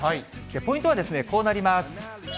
ポイントはですね、こうなります。